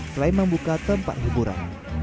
selain membuka tempat hiburan